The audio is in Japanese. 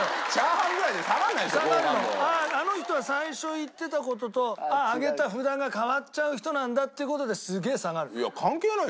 あの人は最初言ってた事と上げた札が変わっちゃう人なんだっていう事ですげえ下がる。